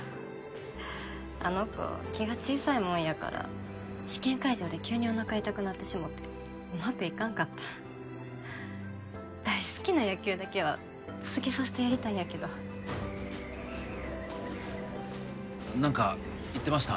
あの子気が小さいもんやから試験会場で急におなか痛くなってしもてうまくいかんかった大好きな野球だけは続けさせてやりたいんやけど何か言ってました？